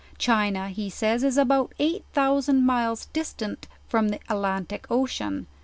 China, he says, is about eight thousand miles distant from the Atlantic ocean.